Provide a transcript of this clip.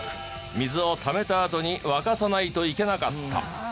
水をためたあとに沸かさないといけなかった。